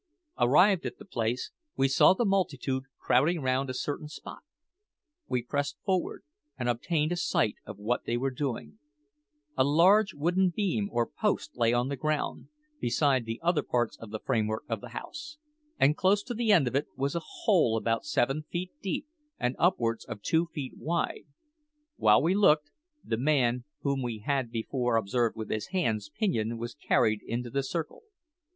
Arrived at the place, we saw the multitude crowding round a certain spot. We pressed forward, and obtained a sight of what they were doing. A large wooden beam or post lay on the ground, beside the other parts of the framework of the house, and close to the end of it was a hole about seven feet deep and upwards of two feet wide. While we looked, the man whom we had before observed with his hands pinioned was carried into the circle.